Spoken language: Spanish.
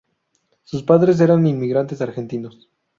Sus padres eran inmigrantes argentinos.